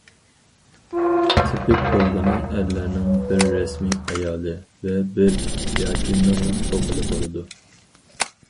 تىپىك بولغىنى، ئەرلەرنىڭ بىر رەسمىي ئايالى ۋە بىر ياكى نۇرغۇن توقىلى بولىدۇ.